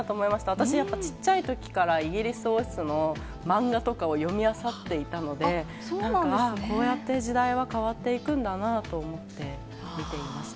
私、やっぱちっちゃいときから、イギリス王室の漫画とかを読みあさっていたので、こうやって時代は変わっていくんだなと思って、見ていました。